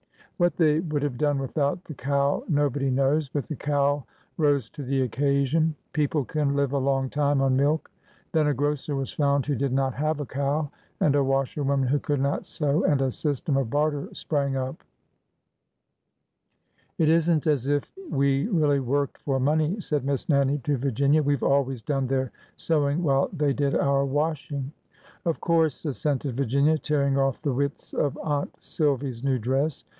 What they would have done without the cow nobody knows. But the cow rose to the occasion. People can live a long time on milk. Then a grocer was found who did not have a cow, and a washerwoman who could not sew, and a system of barter sprang up. It is n't as if we really worked for money," said Miss Nannie to Virginia. " We 've always done their sewing while they did our washing." Of course," assented Virginia, tearing off the widths ^'THE OLD ORDER CHANGETH" 357 of Aunt Silvy's new dress.